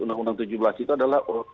undang undang tujuh belas itu adalah